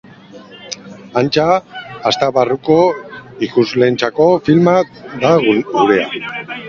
Antza, aste barruko ikusleentzako filma da gurea.